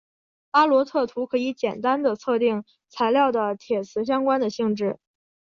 阿罗特图可以简单地测定材料的铁磁相关的性质。